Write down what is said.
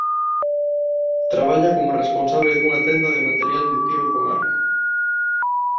Traballa como responsable dunha tenda de material de tiro con arco.